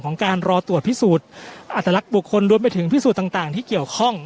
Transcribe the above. การรอตรวจพิสูจน์อัตลักษณ์บุคคลรวมไปถึงพิสูจน์ต่างที่เกี่ยวข้อง